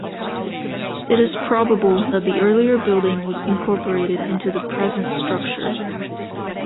It is probable that the earlier building was incorporated into the present structure.